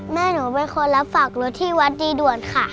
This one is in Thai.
แม่หนูเป็นคนรับฝากรถที่วัดดีด่วนค่ะ